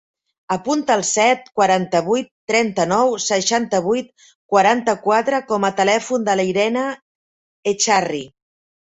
Apunta el set, quaranta-vuit, trenta-nou, seixanta-vuit, quaranta-quatre com a telèfon de l'Irene Echarri.